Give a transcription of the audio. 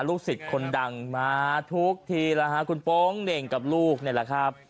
ลูกศิษย์คนดังมาทุกทีแล้วฮะคุณโป๊งเหน่งกับลูกนี่แหละครับ